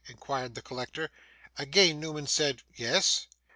inquired the collector. Again Newman said 'Yes.